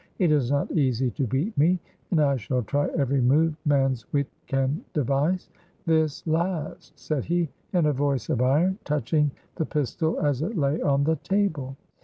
It is not easy to beat me, and I shall try every move man's wit can devise this last," said he, in a voice of iron, touching the pistol as it lay on the table.